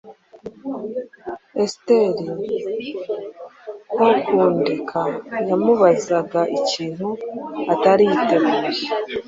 Esiteri Kokundeka. Yamubazaga ikintu atari yiteguye